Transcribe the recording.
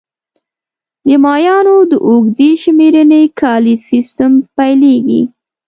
د مایانو د اوږدې شمېرنې کالیز سیستم پیلېږي